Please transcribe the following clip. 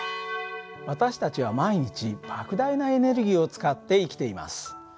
私たちは毎日ばく大なエネルギーを使って生きています。